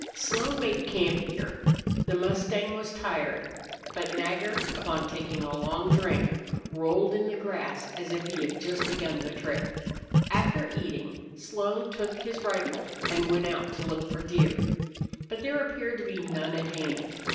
Slone made camp here. The mustang was tired. But Nagger, upon taking a long drink, rolled in the grass as if he had just begun the trip. After eating, Slone took his rifle and went out to look for deer. But there appeared to be none at hand.